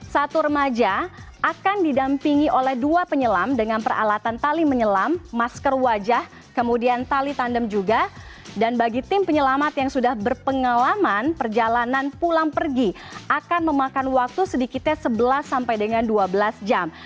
satu remaja akan didampingi oleh dua penyelam dengan peralatan tali menyelam masker wajah kemudian tali tandem juga dan bagi tim penyelamat yang sudah berpengalaman perjalanan pulang pergi akan memakan waktu sedikitnya sebelas sampai dengan dua belas jam